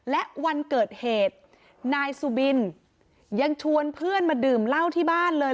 และวันเกิดเหตุนายสุบินยังชวนเพื่อนมาดื่มเหล้าที่บ้านเลย